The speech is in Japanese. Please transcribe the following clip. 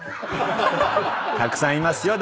たくさんいますよ。